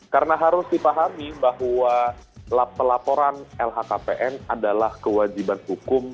karena harus dipahami bahwa pelaporan lhkpn adalah kewajiban hukum